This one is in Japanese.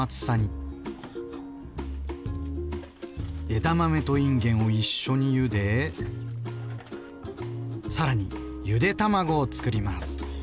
枝豆といんげんを一緒にゆで更にゆで卵をつくります。